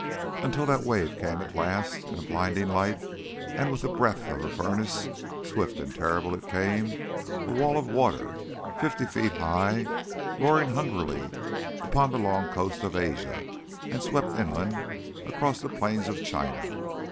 Until that wave came at last in a blinding light and with the breath of a furnace, swift and terrible it came a wall of water, fifty feet high, roaring hungrily, upon the long coasts of Asia, and swept inland across the plains of China.